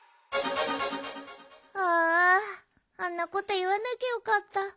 ああんなこといわなきゃよかった。